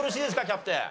キャプテン。